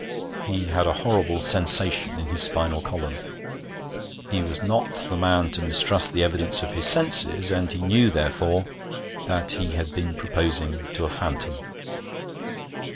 He had a horrible sensation in his spinal column. He was not the man to mistrust the evidence of his senses, and he knew, therefore, that he had been proposing to a phantom.